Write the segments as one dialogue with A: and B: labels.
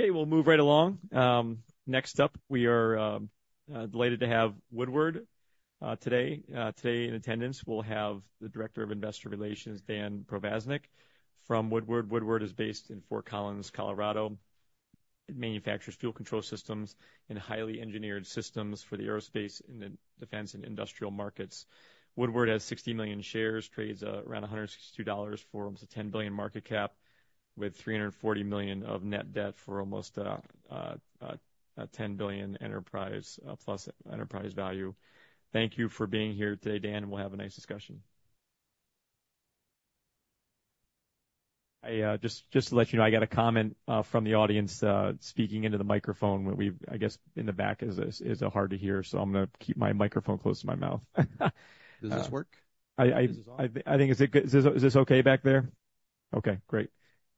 A: Okay, we'll move right along. Next up, we are delighted to have Woodward today. Today in attendance, we'll have the Director of Investor Relations, Dan Provaznik, from Woodward. Woodward is based in Fort Collins, Colorado. It manufactures fuel control systems and highly engineered systems for the aerospace and the defense and industrial markets. Woodward has 60 million shares, trades around $162 for almost a $10 billion market cap, with $340 million of net debt for almost a $10 billion enterprise plus enterprise value. Thank you for being here today, Dan, and we'll have a nice discussion. I just to let you know, I got a comment from the audience speaking into the microphone, where we've, I guess, in the back is hard to hear, so I'm gonna keep my microphone close to my mouth.
B: Does this work? I, I- Is this on? I think... Is it good? Is this, is this okay back there? Okay, great.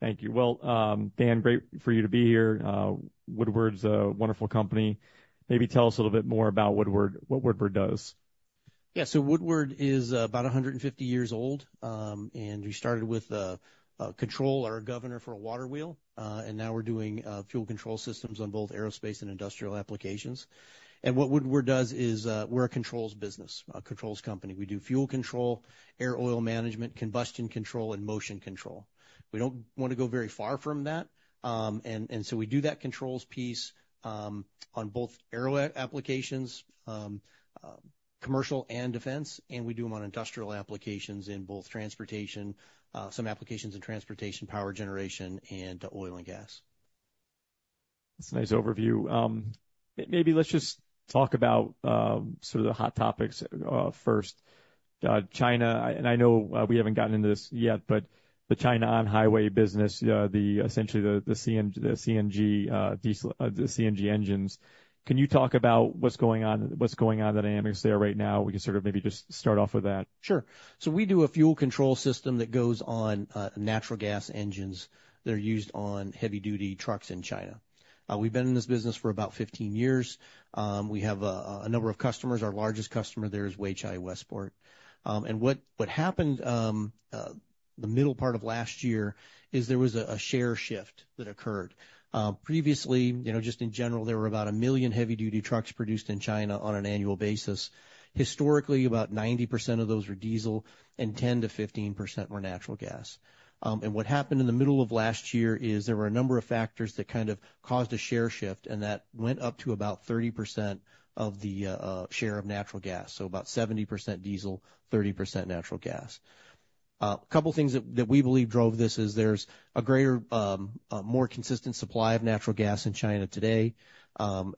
B: Thank you. Well, Dan, great for you to be here. Woodward's a wonderful company. Maybe tell us a little bit more about Woodward, what Woodward does. Yeah, so Woodward is about 150 years old, and we started with a control or a governor for a water wheel, and now we're doing fuel control systems on both aerospace and industrial applications, and what Woodward does is we're a controls business, a controls company. We do fuel control, air oil management, combustion control, and motion control. We don't want to go very far from that, and so we do that controls piece on both aero applications, commercial and defense, and we do them on industrial applications in both transportation, some applications in transportation, power generation, and oil and gas. That's a nice overview. Maybe let's just talk about, sort of the hot topics, first. China, and I know, we haven't gotten into this yet, but the China on-highway business, the essentially the CNG engines. Can you talk about what's going on in the dynamics there right now? We can sort of maybe just start off with that. Sure. So we do a fuel control system that goes on natural gas engines that are used on heavy-duty trucks in China. We've been in this business for about 15 years. We have a number of customers. Our largest customer there is Weichai Westport. And what happened, the middle part of last year, is there was a share shift that occurred. Previously, you know, just in general, there were about 1 million heavy-duty trucks produced in China on an annual basis. Historically, about 90% of those were diesel, and 10%-15% were natural gas. What happened in the middle of last year is there were a number of factors that kind of caused a share shift, and that went up to about 30% of the share of natural gas, so about 70% diesel, 30% natural gas. A couple of things that we believe drove this is there's a greater more consistent supply of natural gas in China today.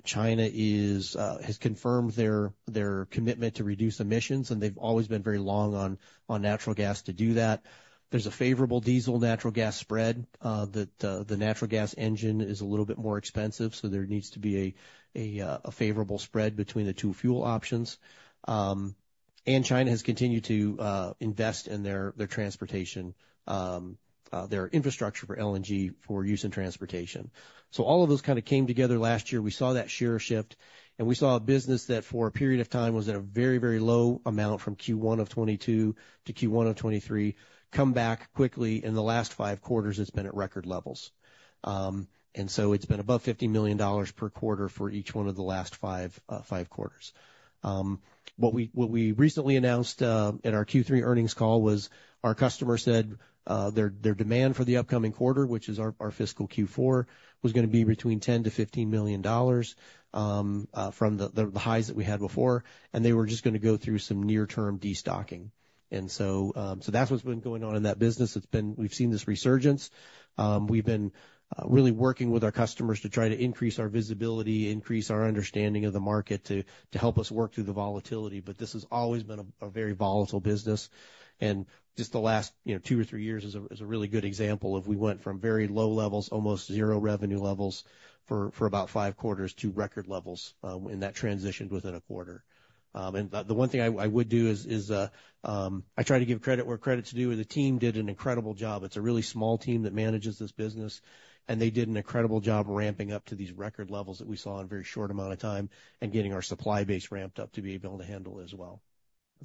B: China has confirmed their commitment to reduce emissions, and they've always been very long on natural gas to do that. There's a favorable diesel natural gas spread that the natural gas engine is a little bit more expensive, so there needs to be a favorable spread between the two fuel options. And China has continued to invest in their transportation infrastructure for LNG for use in transportation. So all of those kind of came together last year. We saw that share shift, and we saw a business that, for a period of time, was at a very, very low amount from Q1 of 2022 to Q1 of 2023, come back quickly. In the last five quarters, it's been at record levels. And so it's been above $50 million per quarter for each one of the last five quarters. What we recently announced in our Q3 earnings call was our customer said their demand for the upcoming quarter, which is our fiscal Q4, was gonna be between $10 million-$15 million from the highs that we had before, and they were just gonna go through some near-term destocking. So that's what's been going on in that business. It's been. We've seen this resurgence. We've been really working with our customers to try to increase our visibility, increase our understanding of the market, to help us work through the volatility. But this has always been a very volatile business, and just the last, you know, two or three years is a really good example of we went from very low levels, almost zero revenue levels, for about five quarters to record levels, and that transitioned within a quarter. And the one thing I would do is I try to give credit where credit's due, and the team did an incredible job. It's a really small team that manages this business, and they did an incredible job ramping up to these record levels that we saw in a very short amount of time and getting our supply base ramped up to be able to handle it as well.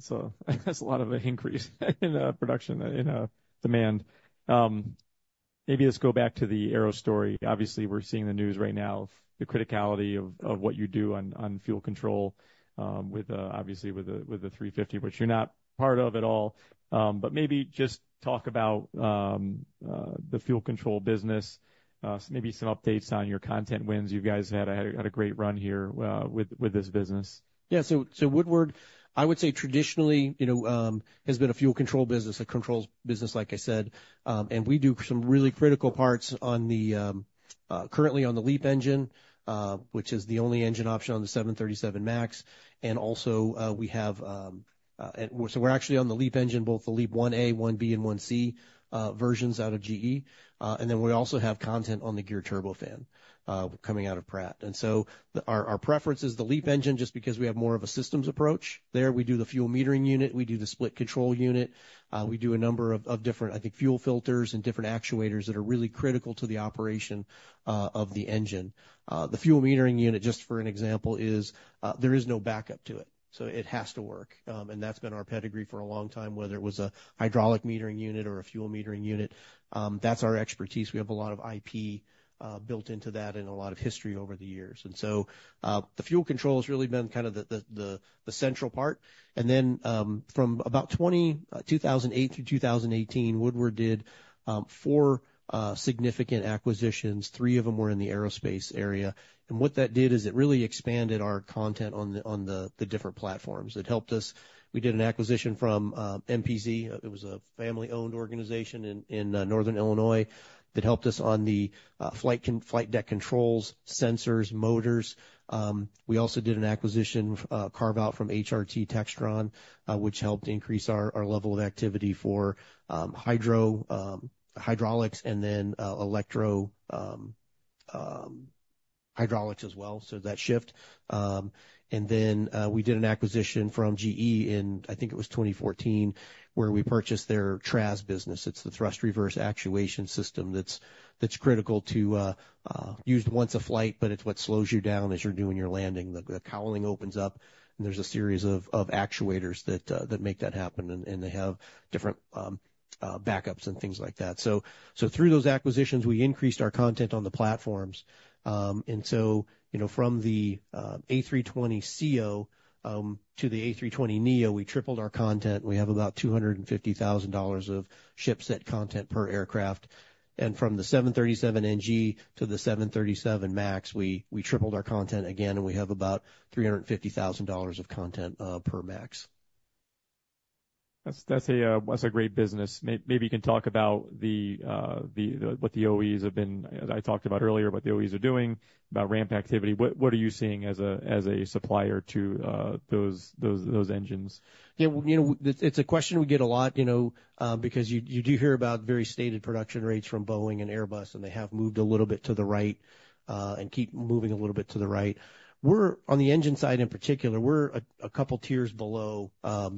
B: So that's a lot of an increase in production, in demand. Maybe let's go back to the aero story. Obviously, we're seeing in the news right now the criticality of what you do on fuel control with obviously with the 350, which you're not part of at all. But maybe just talk about the fuel control business, maybe some updates on your content wins. You guys had a great run here with this business. Yeah. So Woodward, I would say traditionally, you know, has been a fuel control business, a controls business, like I said, and we do some really critical parts on the LEAP engine currently, which is the only engine option on the 737 MAX. And also, we have. So we're actually on the LEAP engine, both the LEAP-1A, LEAP-1B, and LEAP-1C versions out of GE. And then we also have content on the Geared Turbofan coming out of Pratt. So our preference is the LEAP engine, just because we have more of a systems approach there. We do the fuel metering unit. We do the split control unit. We do a number of different, I think, fuel filters and different actuators that are really critical to the operation of the engine. The fuel metering unit, just for an example, is, there is no backup to it, so it has to work. And that's been our pedigree for a long time, whether it was a hydraulic metering unit or a fuel metering unit. That's our expertise. We have a lot of IP built into that and a lot of history over the years. And so, the fuel control has really been kind of the central part. And then, from about 2008 through 2018, Woodward did four significant acquisitions. Three of them were in the aerospace area. And what that did is it really expanded our content on the different platforms. It helped us. We did an acquisition from MPC. It was a family-owned organization in Northern Illinois that helped us on the flight deck controls, sensors, motors. We also did an acquisition carve out from HR Textron which helped increase our level of activity for hydraulics and then electro-hydraulics as well, so that shift. And then we did an acquisition from GE in, I think it was 2014, where we purchased their TRAS business. It's the thrust reverser actuation system that's critical to used once a flight, but it's what slows you down as you're doing your landing. The cowling opens up, and there's a series of actuators that make that happen, and they have different backups and things like that. Through those acquisitions, we increased our content on the platforms, and so, you know, from the A320ceo to the A320neo, we tripled our content. We have about $250,000 of ship set content per aircraft, and from the 737NG to the 737 MAX, we tripled our content again, and we have about $350,000 of content per MAX. That's a great business. Maybe you can talk about what the OEs have been, as I talked about earlier, what the OEs are doing, about ramp activity. What are you seeing as a supplier to those engines? Yeah, you know, it's a question we get a lot, you know, because you do hear about very stated production rates from Boeing and Airbus, and they have moved a little bit to the right, and keep moving a little bit to the right. We're, on the engine side, in particular, a couple tiers below the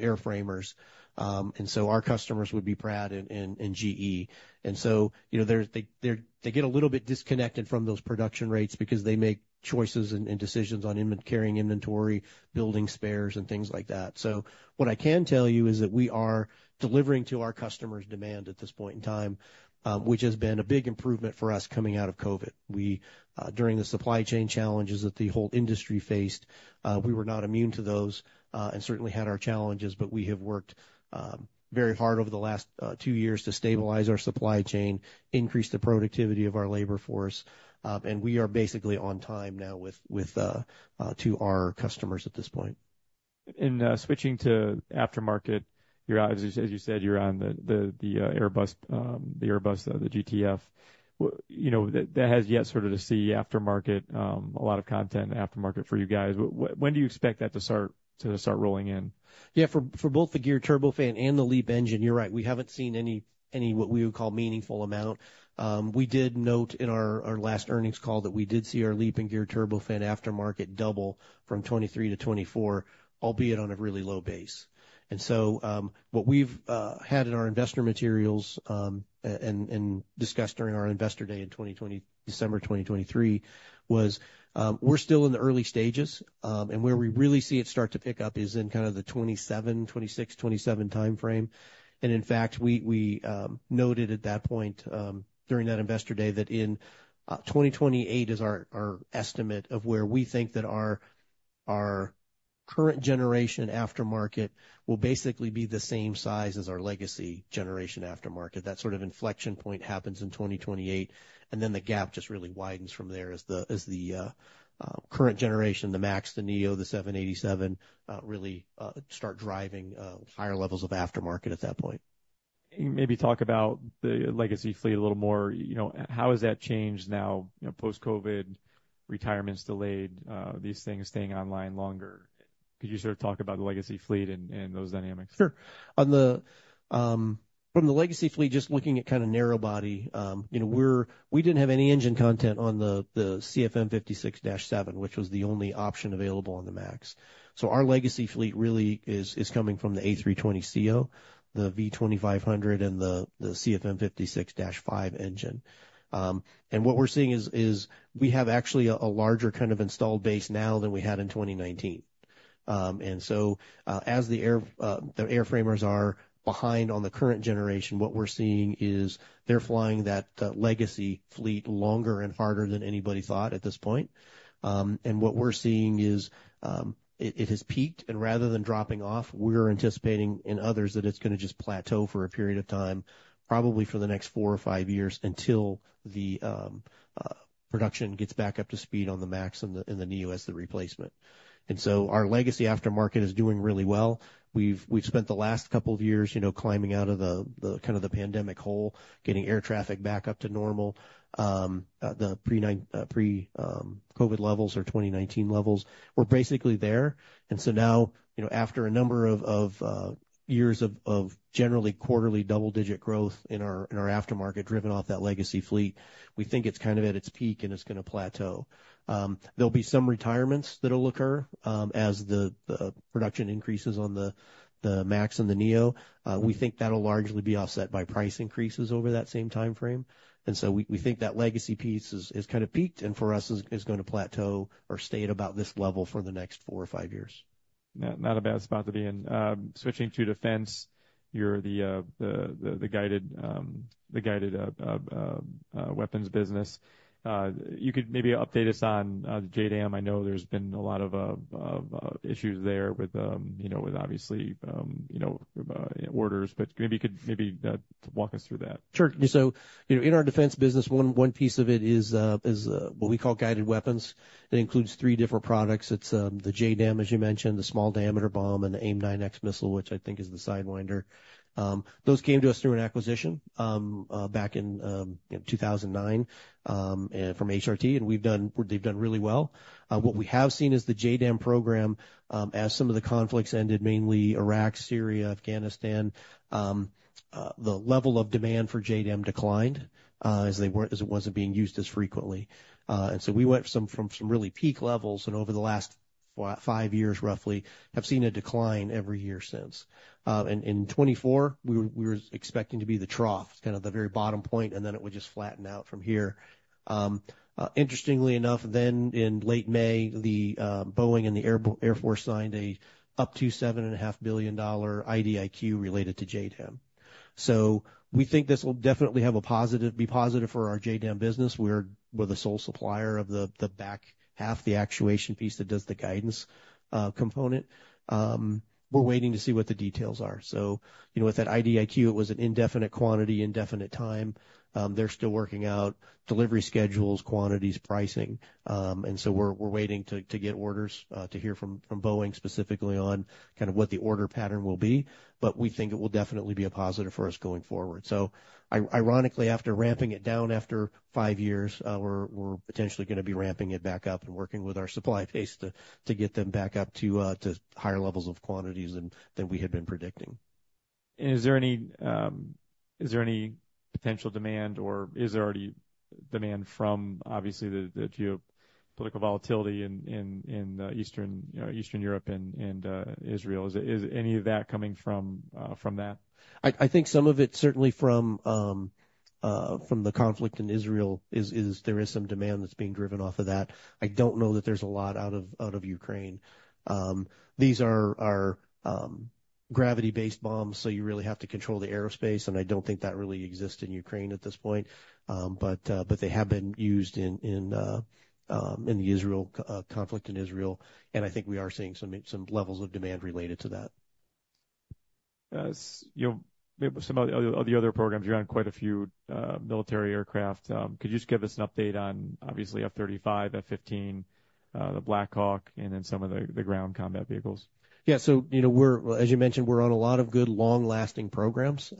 B: airframers. And so our customers would be Pratt & Whitney and GE. And so, you know, they get a little bit disconnected from those production rates because they make choices and decisions on carrying inventory, building spares, and things like that. So what I can tell you is that we are delivering to our customers' demand at this point in time, which has been a big improvement for us coming out of COVID. We, during the supply chain challenges that the whole industry faced, we were not immune to those, and certainly had our challenges, but we have worked very hard over the last two years to stabilize our supply chain, increase the productivity of our labor force, and we are basically on time now with to our customers at this point. Switching to aftermarket, as you said, you're on the Airbus, the GTF. You know, that has yet sort of to see aftermarket, a lot of content in the aftermarket for you guys. When do you expect that to start rolling in? Yeah, for both the geared turbofan and the LEAP engine, you're right, we haven't seen any what we would call meaningful amount. We did note in our last earnings call that we did see our LEAP and Geared Turbofan aftermarket double from 2023 to 2024, albeit on a really low base. And so, what we've had in our investor materials and discussed during our Investor Day in December 2023 was, we're still in the early stages, and where we really see it start to pick up is in kind of the 2026, 2027 time frame. In fact, we noted at that point, during that Investor Day, that in 2028 is our estimate of where we think that our current generation aftermarket will basically be the same size as our legacy generation aftermarket. That sort of inflection point happens in 2028, and then the gap just really widens from there as the current generation, the MAX, the neo, the 787, really start driving higher levels of aftermarket at that point. Can you maybe talk about the legacy fleet a little more? You know, how has that changed now, you know, post-COVID, retirements delayed, these things staying online longer? Could you sort of talk about the legacy fleet and those dynamics? Sure. From the legacy fleet, just looking at kind of narrow body, you know, we didn't have any engine content on the CFM56-7, which was the only option available on the MAX. So our legacy fleet really is coming from the A320ceo, the V2500, and the CFM56-5 engine, and what we're seeing is we have actually a larger kind of installed base now than we had in 2019, and so, as the airframers are behind on the current generation, what we're seeing is they're flying the legacy fleet longer and harder than anybody thought at this point. And what we're seeing is, it has peaked, and rather than dropping off, we're anticipating in others that it's gonna just plateau for a period of time, probably for the next four or five years, until the production gets back up to speed on the MAX and the neo as the replacement. Our legacy aftermarket is doing really well. We've spent the last couple of years, you know, climbing out of the kind of the pandemic hole, getting air traffic back up to normal, the pre-COVID levels or 2019 levels. We're basically there, and so now, you know, after a number of years of generally quarterly double-digit growth in our aftermarket, driven by that legacy fleet, we think it's kind of at its peak, and it's gonna plateau. There'll be some retirements that'll occur, as the production increases on the MAX and the neo. We think that'll largely be offset by price increases over that same time frame. And so we think that legacy piece is kind of peaked, and for us, is gonna plateau or stay at about this level for the next four or five years. Not a bad spot to be in. Switching to defense, you're the guided weapons business. You could maybe update us on the JDAM. I know there's been a lot of issues there with, you know, with obviously, you know, orders, but maybe you could walk us through that. Sure. So, you know, in our defense business, one piece of it is what we call guided weapons. It includes three different products. It's the JDAM, as you mentioned, the Small Diameter Bomb, and the AIM-9X missile, which I think is the Sidewinder. Those came to us through an acquisition back in, you know, 2009 from HR Textron, and we've done—they've done really well. What we have seen is the JDAM program, as some of the conflicts ended, mainly Iraq, Syria, Afghanistan, the level of demand for JDAM declined, as they weren't, as it wasn't being used as frequently. And so we went from some really peak levels, and over the last five years roughly, have seen a decline every year since. In 2024, we were expecting to be the trough, kind of the very bottom point, and then it would just flatten out from here. Interestingly enough, then in late May, the Boeing and the Air Force signed up to $7.5 billion IDIQ related to JDAM. So we think this will definitely be positive for our JDAM business. We're the sole supplier of the back half, the actuation piece that does the guidance component. We're waiting to see what the details are. So, you know, with that IDIQ, it was an indefinite quantity, indefinite time. They're still working out delivery schedules, quantities, pricing. And so we're waiting to get orders to hear from Boeing specifically on kind of what the order pattern will be, but we think it will definitely be a positive for us going forward. So ironically, after ramping it down after five years, we're potentially gonna be ramping it back up and working with our supply base to get them back up to higher levels of quantities than we had been predicting. Is there any potential demand, or is there already demand from, obviously, the geopolitical volatility in Eastern Europe and Israel? Is any of that coming from that? I think some of it, certainly from the conflict in Israel, is. There is some demand that's being driven off of that. I don't know that there's a lot out of Ukraine. These are gravity-based bombs, so you really have to control the airspace, and I don't think that really exists in Ukraine at this point. They have been used in the conflict in Israel, and I think we are seeing some levels of demand related to that. As you know, some of the other programs, you're on quite a few military aircraft. Could you just give us an update on, obviously, F-35, F-15, the Black Hawk, and then some of the ground combat vehicles? Yeah. So, you know, we're, as you mentioned, we're on a lot of good, long-lasting programs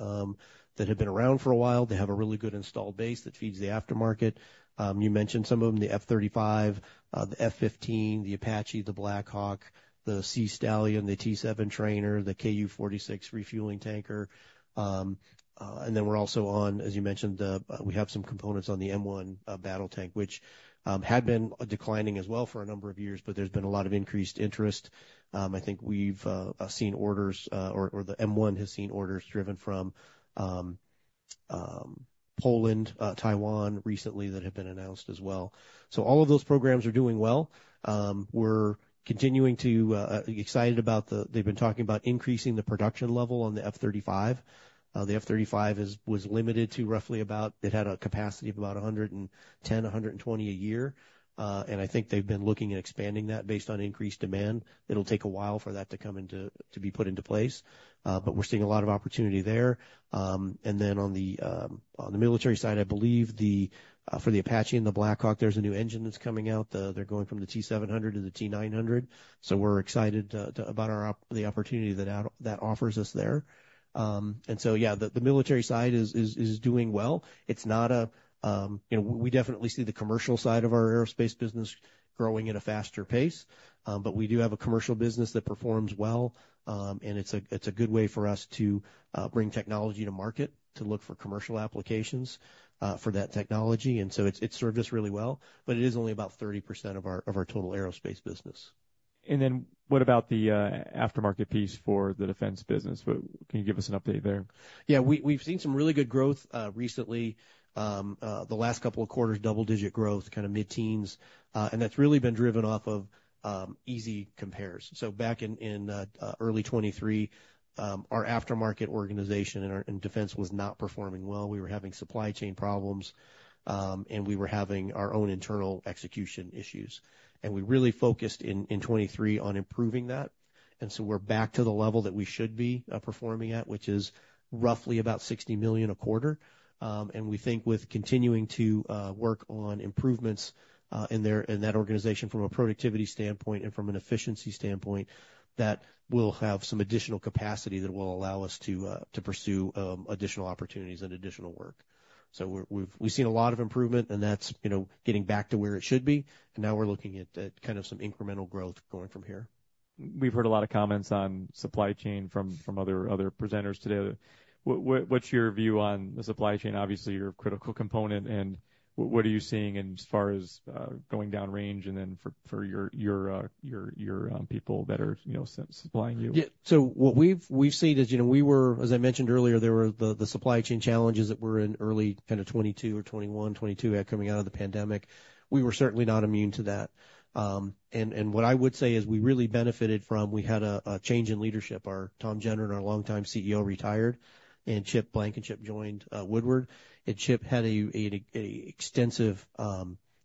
B: that have been around for a while. They have a really good installed base that feeds the aftermarket. You mentioned some of them, the F-35, the F-15, the Apache, the Black Hawk, the Sea Stallion, the T-7 Trainer, the KC-46 refueling tanker. And then we're also on, as you mentioned, we have some components on the M1 battle tank, which had been declining as well for a number of years, but there's been a lot of increased interest. I think we've seen orders, or the M1 has seen orders driven from Poland, Taiwan recently that have been announced as well. So all of those programs are doing well. We're continuing to excited about the... They've been talking about increasing the production level on the F-35. The F-35 is, was limited to roughly about, it had a capacity of about 110, 120 a year, and I think they've been looking at expanding that based on increased demand. It'll take a while for that to come into, to be put into place, but we're seeing a lot of opportunity there. And then on the military side, I believe for the AH-64 Apache and the UH-60 Black Hawk, there's a new engine that's coming out. They're going from the T700 to the T901. So we're excited about our opportunity that that offers us there. And so, yeah, the military side is doing well. It's not a, you know, we definitely see the commercial side of our aerospace business growing at a faster pace, but we do have a commercial business that performs well, and it's a good way for us to bring technology to market, to look for commercial applications for that technology. And so it's served us really well, but it is only about 30% of our total aerospace business. And then what about the aftermarket piece for the defense business? What can you give us an update there? Yeah. We, we've seen some really good growth recently. The last couple of quarters, double-digit growth, kind of mid-teens, and that's really been driven off of easy compares. So back in early 2023, our Aftermarket organization and our defense was not performing well. We were having supply chain problems, and we were having our own internal execution issues. And we really focused in 2023 on improving that, and so we're back to the level that we should be performing at, which is roughly about $60 million a quarter. And we think with continuing to work on improvements in there, in that organization from a productivity standpoint and from an efficiency standpoint, that we'll have some additional capacity that will allow us to pursue additional opportunities and additional work. So we're, we've seen a lot of improvement, and that's, you know, getting back to where it should be, and now we're looking at kind of some incremental growth going from here. We've heard a lot of comments on supply chain from other presenters today. What's your view on the supply chain? Obviously, your critical component, and what are you seeing as far as going down range and then for your people that are, you know, supplying you? Yeah. So what we've seen is, you know, we were, as I mentioned earlier, there were the supply chain challenges that were in early kind of 2021 or 2022, coming out of the pandemic. We were certainly not immune to that. And what I would say is we really benefited from. We had a change in leadership. Our Tom Gendron and our longtime CEO retired and Chip Blankenship joined Woodward, and Chip had a an extensive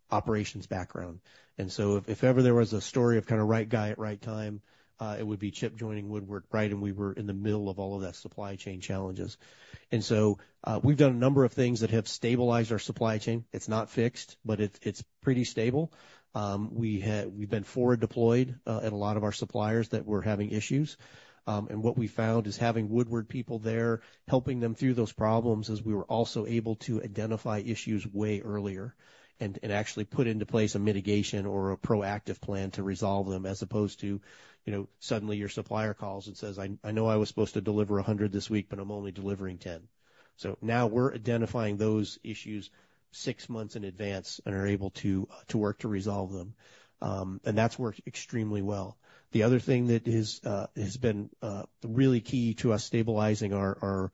B: operations background. And so if ever there was a story of kind of right guy at right time, it would be Chip joining Woodward, right? And we were in the middle of all of that supply chain challenges. And so we've done a number of things that have stabilized our supply chain. It's not fixed, but it's pretty stable. We've been forward deployed at a lot of our suppliers that were having issues. And what we found is having Woodward people there, helping them through those problems, is we were also able to identify issues way earlier and actually put into place a mitigation or a proactive plan to resolve them, as opposed to, you know, suddenly your supplier calls and says, "I know I was supposed to deliver 100 this week, but I'm only delivering 10." So now we're identifying those issues six months in advance and are able to work to resolve them. And that's worked extremely well. The other thing that has been really key to us stabilizing our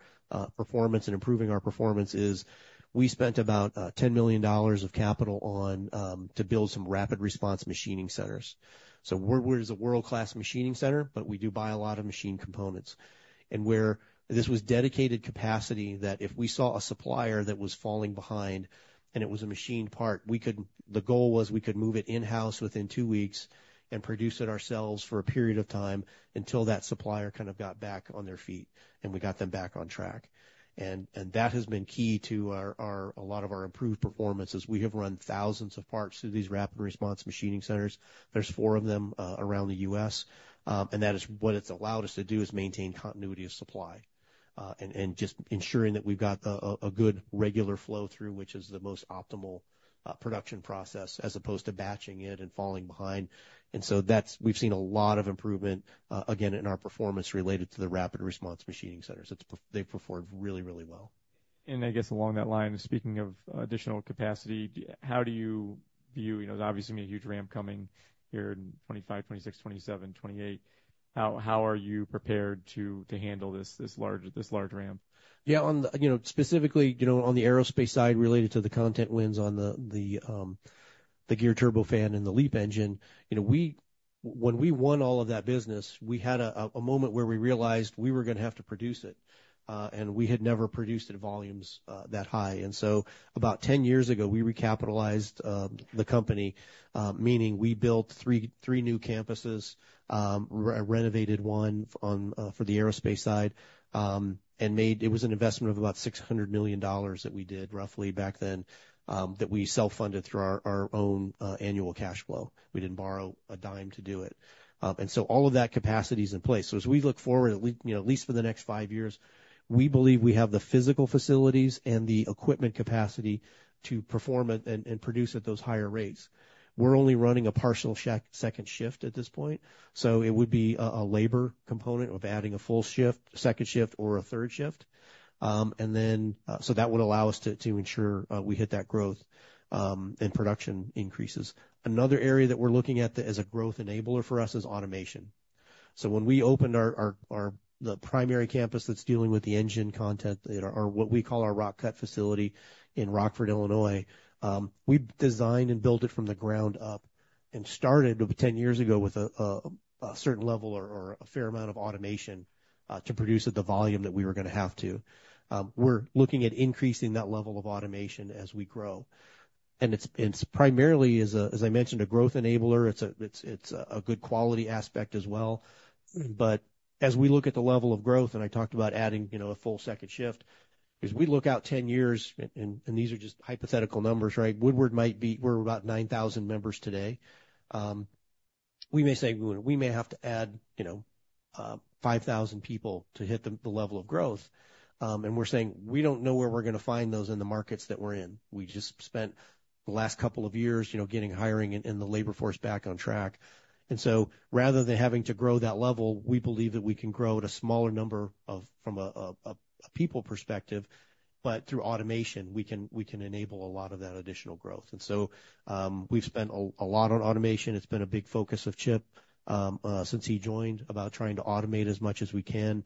B: performance and improving our performance is we spent about $10 million of capital on to build some Rapid Response Machining centers. So Woodward is a world-class machining center, but we do buy a lot of machine components. This was dedicated capacity that if we saw a supplier that was falling behind and it was a machine part, we could. The goal was we could move it in-house within two weeks and produce it ourselves for a period of time until that supplier kind of got back on their feet, and we got them back on track. That has been key to our a lot of our improved performance, as we have run thousands of parts through these Rapid Response Machining centers. There's four of them around the U.S., and that is what it's allowed us to do: maintain continuity of supply. And just ensuring that we've got a good regular flow through, which is the most optimal production process, as opposed to batching it and falling behind. And so we've seen a lot of improvement again in our performance related to the Rapid Response Machining Centers. They've performed really, really well. I guess along that line, speaking of additional capacity, how do you view, you know, there's obviously going to be a huge ramp coming here in 2025, 2026, 2027, 2028. How are you prepared to handle this large ramp? Yeah, on the, you know, specifically, you know, on the aerospace side, related to the content wins on the, the, the Geared Turbofan and the LEAP engine, you know, when we won all of that business, we had a, a moment where we realized we were gonna have to produce it, and we had never produced at volumes that high. And so about 10 years ago, we recapitalized the company, meaning we built three new campuses, renovated one for the aerospace side, and made. It was an investment of about $600 million that we did roughly back then, that we self-funded through our own annual cash flow. We didn't borrow a dime to do it. And so all of that capacity is in place. So as we look forward, at least, you know, at least for the next five years, we believe we have the physical facilities and the equipment capacity to perform at, and produce at those higher rates. We're only running a partial second shift at this point, so it would be a labor component of adding a full second shift, or a third shift. And then, so that would allow us to ensure we hit that growth, and production increases. Another area that we're looking at as a growth enabler for us is automation. So when we opened our... The primary campus that's dealing with the engine content, it, or what we call our Rock Cut facility in Rockford, Illinois, we designed and built it from the ground up and started, over 10 years ago, with a certain level or a fair amount of automation to produce at the volume that we were gonna have to. We're looking at increasing that level of automation as we grow, and it's primarily, as I mentioned, a growth enabler. It's a good quality aspect as well. But as we look at the level of growth, and I talked about adding, you know, a full second shift, as we look out 10 years, and these are just hypothetical numbers, right? Woodward might be. We're about 9,000 members today. We may say we may have to add, you know, 5,000 people to hit the level of growth. We're saying we don't know where we're gonna find those in the markets that we're in. We just spent the last couple of years, you know, getting hiring and the labor force back on track. Rather than having to grow that level, we believe that we can grow at a smaller number of people from a people perspective, but through automation, we can enable a lot of that additional growth. We've spent a lot on automation. It's been a big focus of Chip since he joined about trying to automate as much as we can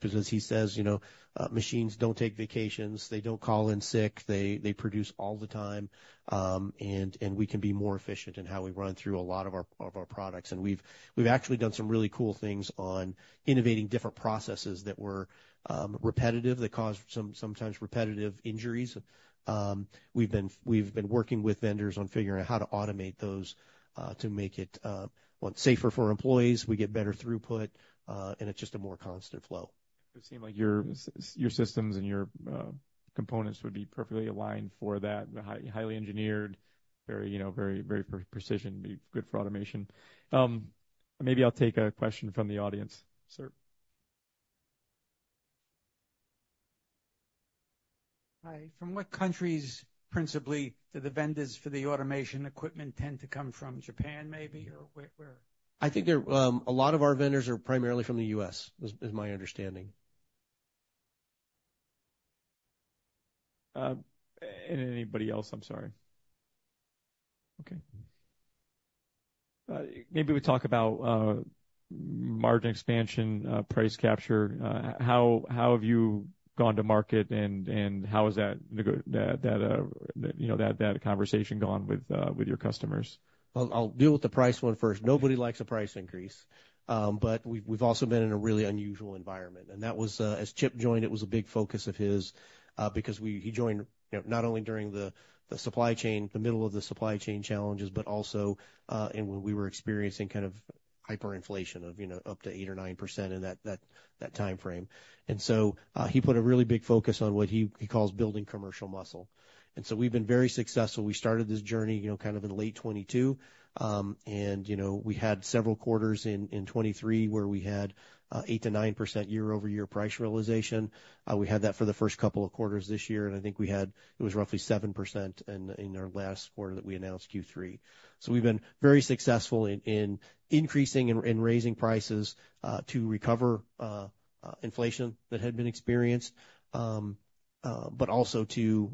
B: because as he says, you know, "Machines don't take vacations, they don't call in sick, they produce all the time," and we can be more efficient in how we run through a lot of our products. And we've actually done some really cool things on innovating different processes that were repetitive that caused some sometimes repetitive injuries. We've been working with vendors on figuring out how to automate those to make it safer for employees, we get better throughput, and it's just a more constant flow. It seemed like your systems and your components would be perfectly aligned for that. Highly engineered, very, you know, very, very precise, be good for automation. Maybe I'll take a question from the audience. Sir? Hi. From what countries, principally, do the vendors for the automation equipment tend to come from Japan, maybe, or where, where? I think a lot of our vendors are primarily from the U.S., is my understanding. Anybody else? I'm sorry. Okay. Maybe we talk about margin expansion, price capture. How have you gone to market, and how is that, you know, that conversation gone with your customers? I'll deal with the price one first. Nobody likes a price increase, but we've also been in a really unusual environment, and that was as Chip joined, it was a big focus of his, because he joined, you know, not only during the supply chain, the middle of the supply chain challenges, but also, and when we were experiencing kind of hyperinflation of, you know, up to 8%-9% in that time frame. And so, he put a really big focus on what he calls building commercial muscle. And so we've been very successful. We started this journey, you know, kind of in late 2022. And, you know, we had several quarters in 2023 where we had 8%-9% year-over-year price realization. We had that for the first couple of quarters this year, and I think it was roughly 7% in our last quarter that we announced Q3. So we've been very successful in increasing and raising prices to recover inflation that had been experienced, but also to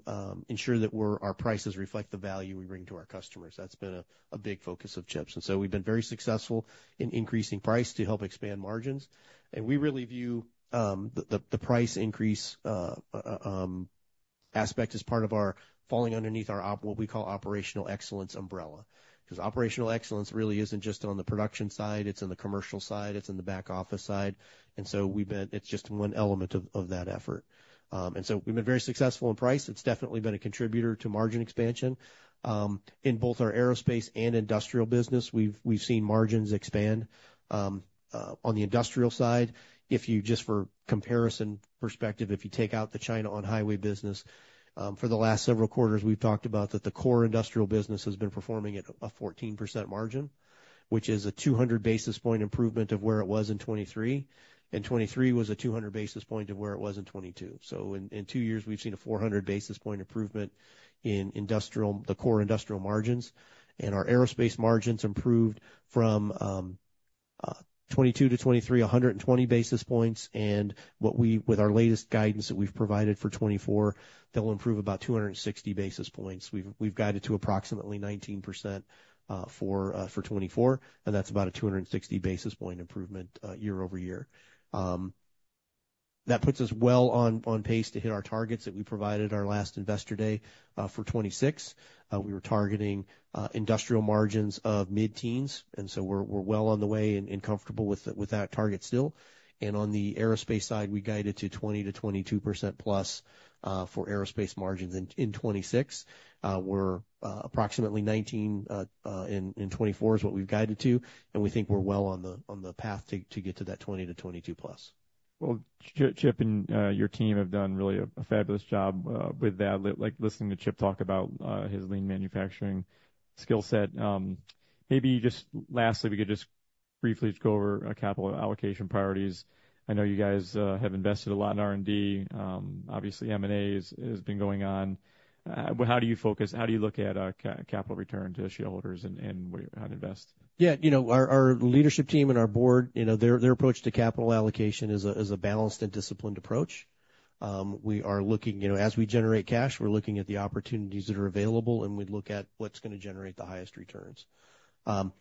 B: ensure that we're, our prices reflect the value we bring to our customers. That's been a big focus of Chip's. And so we've been very successful in increasing price to help expand margins, and we really view the price increase aspect as part of our falling underneath our op- what we call operational excellence umbrella. 'Cause operational excellence really isn't just on the production side, it's on the commercial side, it's in the back office side, and so we've been. It's just one element of that effort. And so we've been very successful in price. It's definitely been a contributor to margin expansion. In both our aerospace and industrial business, we've seen margins expand. On the industrial side, if you just for comparison perspective, if you take out the China on-highway business, for the last several quarters, we've talked about that the core industrial business has been performing at a 14% margin, which is a 200 basis point improvement of where it was in 2023, and 2023 was a 200 basis point of where it was in 2022. In two years, we've seen a 400 basis point improvement in the core industrial margins, and our aerospace margins improved from 2022 to 2023, 120 basis points. And with our latest guidance that we've provided for 2024, that will improve about 260 basis points. We've guided to approximately 19%, for 2024, and that's about a 260 basis point improvement year over year. That puts us well on pace to hit our targets that we provided our last Investor Day, for 2026. We were targeting industrial margins of mid-teens, and so we're well on the way and comfortable with that target still. And on the aerospace side, we guided to 20%+-22%+ for aerospace margins in 2026. We're approximately 19% in 2024 is what we've guided to, and we think we're well on the path to get to that 20%+-22%+. Chip and your team have done really a fabulous job with that. Like, listening to Chip talk about his lean manufacturing skill set. Maybe just lastly, we could just briefly go over capital allocation priorities. I know you guys have invested a lot in R&D. Obviously, M&A has been going on. How do you focus, how do you look at capital return to shareholders and where, how to invest? Yeah, you know, our leadership team and our Board, you know, their approach to capital allocation is a balanced and disciplined approach. We are looking, you know, as we generate cash, we're looking at the opportunities that are available, and we look at what's gonna generate the highest returns. And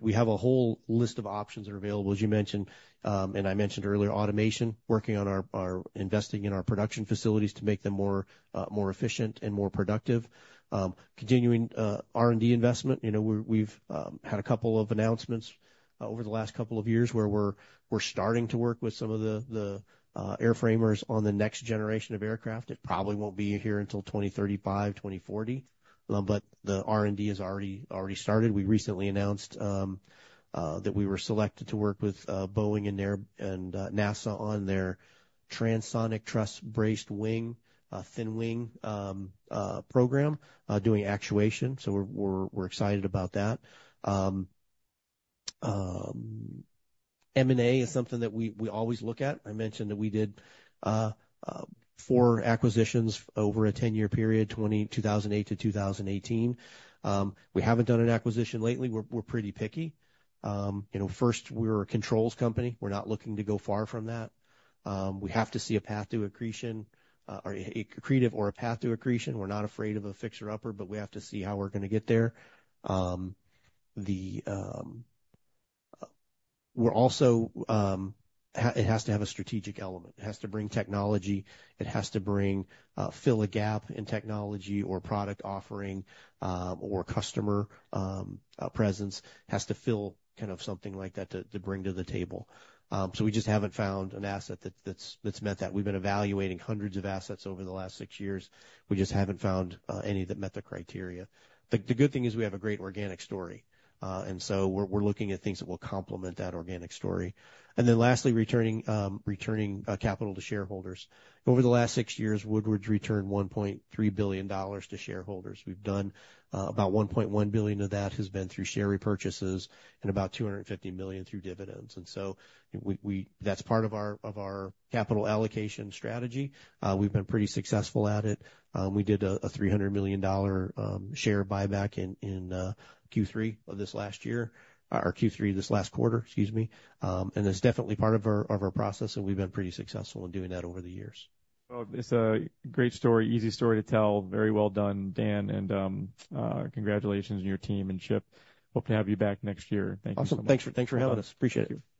B: we have a whole list of options that are available. As you mentioned, and I mentioned earlier, automation, working on our investing in our production facilities to make them more efficient and more productive. Continuing R&D investment. You know, we've had a couple of announcements over the last couple of years, where we're starting to work with some of the airframers on the next generation of aircraft. It probably won't be here until 2035, 2040, but the R&D has already started. We recently announced that we were selected to work with Boeing and their and NASA on their Transonic Truss-Braced Wing thin wing program doing actuation, so we're excited about that. M&A is something that we always look at. I mentioned that we did four acquisitions over a 10-year period, 2008 to 2018. We haven't done an acquisition lately. We're pretty picky. You know, first, we're a controls company. We're not looking to go far from that. We have to see a path to accretion or accretive or a path to accretion. We're not afraid of a fixer-upper, but we have to see how we're gonna get there. We're also. It has to have a strategic element. It has to bring technology. It has to bring fill a gap in technology or product offering, or customer presence. Has to fill kind of something like that to bring to the table. So we just haven't found an asset that's met that. We've been evaluating hundreds of assets over the last six years. We just haven't found any that met the criteria. The good thing is we have a great organic story, and so we're looking at things that will complement that organic story. And then lastly, returning capital to shareholders. Over the last six years, Woodward's returned $1.3 billion to shareholders. We've done about $1.1 billion of that has been through share repurchases and about $250 million through dividends. So we that's part of our capital allocation strategy. We've been pretty successful at it. We did a $300 million share buyback in Q3 of this last year, or Q3 this last quarter, excuse me. It's definitely part of our process, and we've been pretty successful in doing that over the years. It's a great story, easy story to tell. Very well done, Dan, and congratulations on your team and Chip. Hope to have you back next year. Thank you so much. Awesome. Thanks for, thanks for having us. Appreciate it.